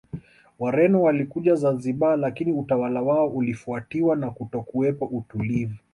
Wareno walikuja Zanzibar lakini utawala wao ulifuatiwa na kutokuwepo utulivu